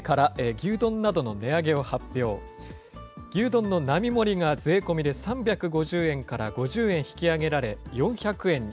牛丼の並盛が税込みで３５０円から５０円引き上げられ４００円に。